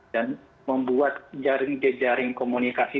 dan membuat jaring jaring komunikasi